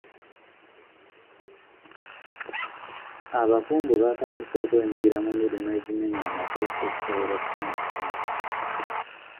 Abakungu batandise okwenyigira mu mirimu egimenya amateeka okusobola okufuna ssente.